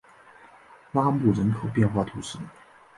拉穆人口变化图示